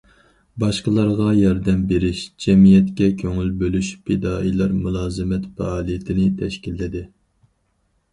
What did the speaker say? باشقىلارغا ياردەم بېرىش، جەمئىيەتكە كۆڭۈل بۆلۈش پىدائىيلار مۇلازىمەت پائالىيىتىنى تەشكىللىدى.